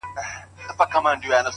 o لکه ماسوم بې موره؛